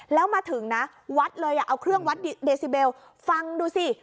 แล้วมาถึงนะวัดเลยเอาเครื่องวัดเดซิเบลฟังดูสิ